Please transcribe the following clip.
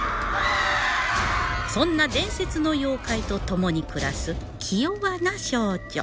そんな伝説の妖怪とともに暮らす気弱な少女